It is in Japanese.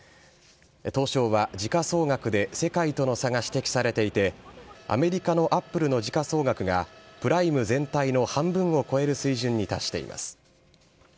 東証は時価総額で世界との差が指摘されていて、アメリカのアップルの時価総額が、プライム全体の半分を超える水準に達しています。